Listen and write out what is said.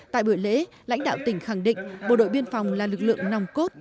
tại buổi lễ lãnh đạo tỉnh khẳng định bộ đội biên phòng là lực lượng nòng cốt